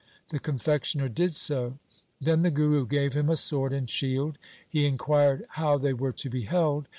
The confectioner did so. Then the Guru gave him a sword and shield. He inquired how they were to be held.